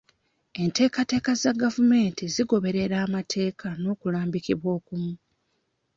Enteekateeka za gavumenti zigoberera amateeka n'okulambikibwa okumu.